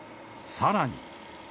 さらに。